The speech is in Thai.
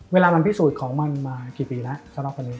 เวลามันพิสูจน์ของมันมากี่ปีแล้ว